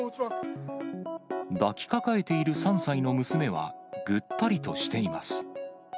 抱きかかえている３歳の娘はぐったりとしています。